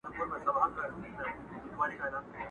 احسان نه مني قانون د زورورو.!